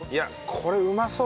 これうまそう。